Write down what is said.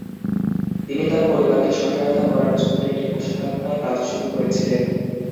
তিনি তাঁর পরিবারকে সহায়তা করার জন্য একটি পোশাক কারখানায় কাজ শুরু করেছিলেন।